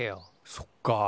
そっか。